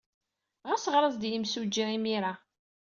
Ɣas ɣer-as-d i yemsujji imir-a.